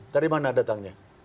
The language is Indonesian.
dari mana datangnya